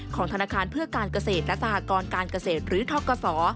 ธนาคารเพื่อการเกษตรและสหกรการเกษตรหรือทกศ